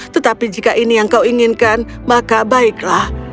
tetapi jika ini yang kau inginkan maka baiklah